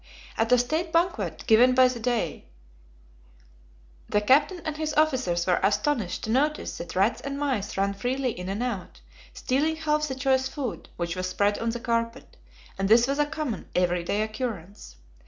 At a state banquet, given by the Dey, the captain and his officers were astonished to notice that rats and mice ran freely in and out, stealing half the choice food, which was spread on the carpet; and this was a common, every day occurrence.